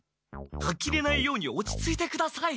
あきれないように落ち着いてください。